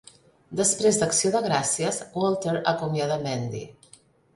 Després d'Acció de Gràcies, Walter acomiada Mandy.